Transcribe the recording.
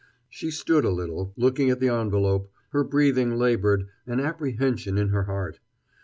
She stood a little, looking at the envelope, her breathing labored, an apprehension in her heart.